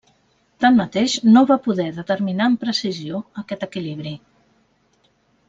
Tanmateix, no va poder determinar amb precisió aquest equilibri.